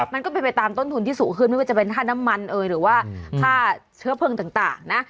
มันก็เป็นไปตามต้นทุนที่สูงขึ้นไม่ว่าจะเป็นค่าน้ำมันเอ่ยหรือว่าค่าเชื้อเพลิงต่างนะ